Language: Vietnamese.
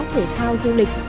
thể thao du lịch